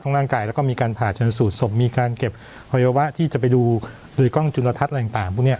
ร่างกายแล้วก็มีการผ่าชนสูตรศพมีการเก็บอวัยวะที่จะไปดูโดยกล้องจุลทัศน์อะไรต่างพวกนี้